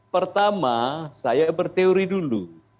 pertama saya berteori dulu